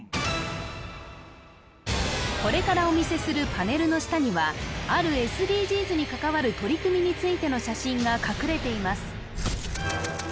これからお見せするパネルの下にはあるＳＤＧｓに関わる取り組みについての写真が隠れています